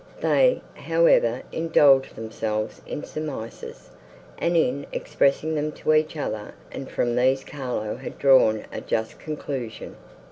They, however, indulged themselves in surmises, and in expressing them to each other; and from these Carlo had drawn a just conclusion.